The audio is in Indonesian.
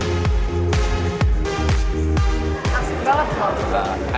asik banget soalnya